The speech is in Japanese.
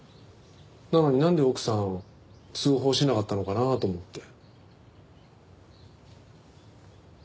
なのになんで奥さん通報しなかったのかなと思って。